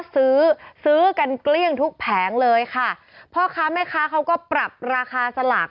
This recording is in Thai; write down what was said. ซื้อซื้อกันเกลี้ยงทุกแผงเลยค่ะพ่อค้าแม่ค้าเขาก็ปรับราคาสลาก